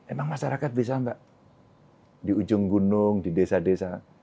emang masyarakat bisa nggak di ujung gunung di desa desa